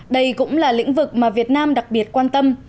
đây cũng là lĩnh vực mà việt nam đặc biệt quan tâm